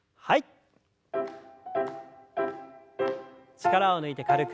力を抜いて軽く。